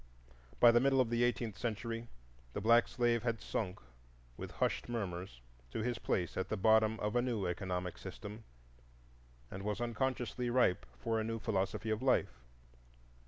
By the middle of the eighteenth century the black slave had sunk, with hushed murmurs, to his place at the bottom of a new economic system, and was unconsciously ripe for a new philosophy of life.